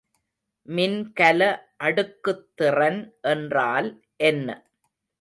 மின்கல அடுக்குத்திறன் என்றால் என்ன?